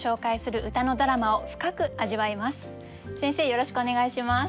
よろしくお願いします。